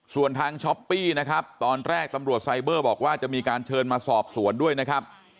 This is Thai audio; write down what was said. ส่วนทางช้อปปี้นะครับตอนแรกตำรวจไซเบอร์บอกว่าจะมีการเชิญมาสอบสวนด้วยนะครับ